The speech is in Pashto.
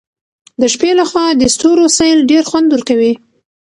د شپې له خوا د ستورو سیل ډېر خوند ورکوي.